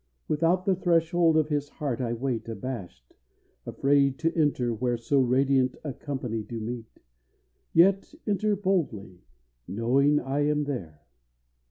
Without the threshold of his heart I wait Abashed, afraid to enter where So radiant a company do meet, Yet enter boldly, knowing I am there.